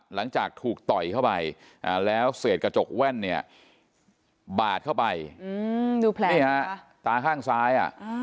หลังจากถูกต่อยเข้าไปแล้วเศษกระจกแว่นเนี่ยบาดเข้าไปดูแผลนี่ฮะตาข้างซ้ายอ่ะ